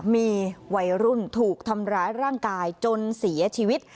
มีวัยรุ่นถูกทำร้ายร่างกายจนเสียชีวิต